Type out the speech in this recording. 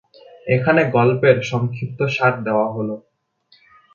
এখানে গল্পের সংক্ষিপ্তসার দেওয়া হল।